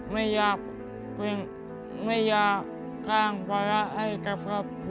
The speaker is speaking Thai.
ไม่อยากกล้างภาระให้กับพ่อ